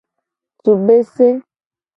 Tsu bese.